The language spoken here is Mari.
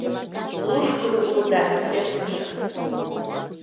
«Лушкыдо улыда, — иктешлышым.